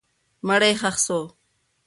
مړی یې ښخ سو.